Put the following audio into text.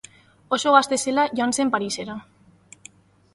Oso gazte zela joan zen Parisera.